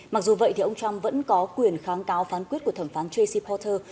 mặc dù vậy thì ông trump vẫn có quyền kháng cáo phán quyết của thẩm phán j c porter